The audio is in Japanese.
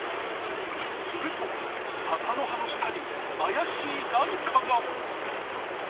すると笹の葉の下に怪しい何かが。